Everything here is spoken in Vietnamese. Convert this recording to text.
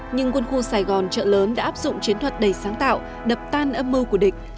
nhưng quân khu sài gòn trợ lớn đã áp dụng chiến thuật đầy sáng tạo đập tan âm mưu của địch